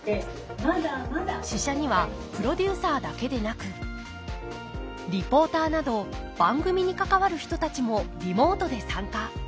試写にはプロデューサーだけでなくリポーターなど番組に関わる人たちもリモートで参加。